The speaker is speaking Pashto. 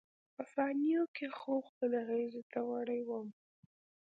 په ثانیو کې خوب خپلې غېږې ته وړی وم.